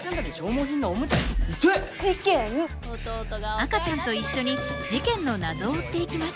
赤ちゃんと一緒に事件の謎を追っていきます。